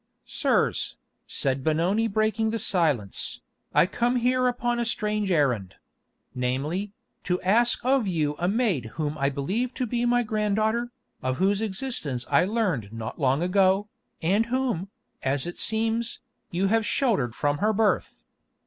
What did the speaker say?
"Sirs," said Benoni breaking the silence, "I come here upon a strange errand—namely, to ask of you a maid whom I believe to be my granddaughter, of whose existence I learned not long ago, and whom, as it seems, you have sheltered from her birth.